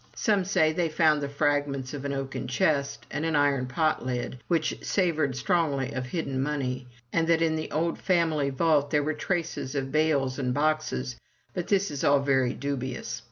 Some say they found the fragments of an oaken chest, and an iron pot lid, which savored strongly of hidden money; and that in the old family vault there were traces of bales and boxes; but this is all very dubious.